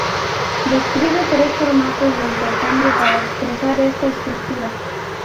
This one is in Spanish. Describe tres formatos de intercambio para expresar esta estructura.